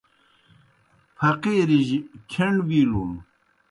پھقِیرِجیْ کھیݨ وِیلُن۔